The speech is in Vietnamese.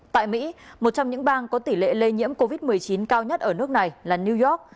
tại mỹ một trong những bang có tỷ lệ lây nhiễm covid một mươi chín cao nhất ở nước này là new york